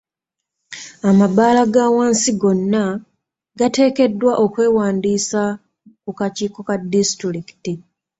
Amabaala g'awansi gonna gateekeddwa okwewandiisa ku kakiiko ka disitulikiti.